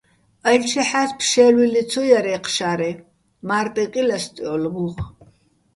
აჲლ'ჩეჰ̦ა́ს, ფშე́ლუჲ ლე ცო ჲარ ეჴ შარე, მა́რტე კი ლასტჲოლო̆ მუღ?